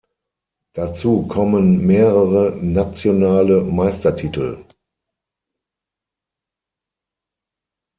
Dazu kommen mehrere nationale Meistertitel.